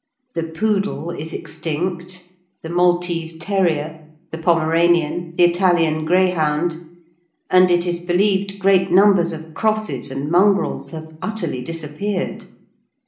The poodle is extinct, the Maltese terrier, the Pomeranian, the Italian greyhound, and, it is believed, great numbers of crosses and mongrels have utterly disappeared.